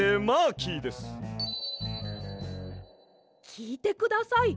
きいてください。